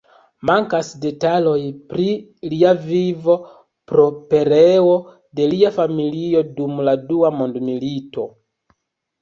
Mankas detaloj pri lia vivo pro pereo de lia familio dum la Dua Mondmilito.